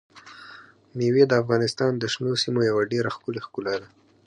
مېوې د افغانستان د شنو سیمو یوه ډېره ښکلې ښکلا ده.